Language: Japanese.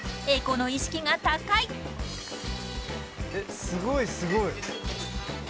エコの意識が高い］